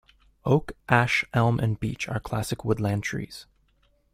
Oak, ash, elm and beech are classic woodland trees.